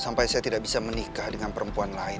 sampai saya tidak bisa menikah dengan perempuan lain